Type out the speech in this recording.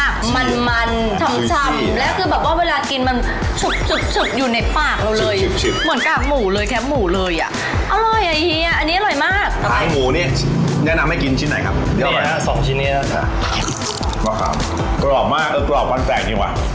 กรอบจริงกรอบมากมันชำ